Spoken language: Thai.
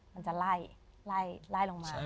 มันจะไล่ไล่ลงมา